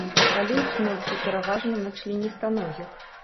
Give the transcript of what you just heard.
Палююць ноччу, пераважна, на членістаногіх.